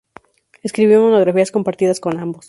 Escribió monografías compartidas con ambos.